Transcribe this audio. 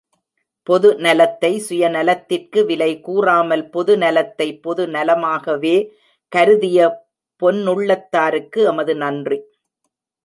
பொது நலத்தை சுயநலத்திற்கு விலை கூறாமல் பொது நலத்தை பொது நலமாகவே கருதிய பொன்னுள்ளத்தாருக்கு எமது நன்றி.